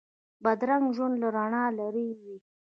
بدرنګه ژوند له رڼا لرې وي